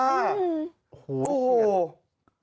หัวเทียบ